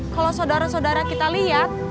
kalau sodara sodara kita lihat